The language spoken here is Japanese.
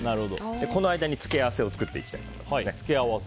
この間に付け合わせを作っていきたいと思います。